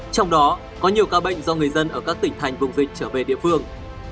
trong đó có nhiều ca bệnh do người dân ở các tỉnh thành vùng dịch trở về địa phương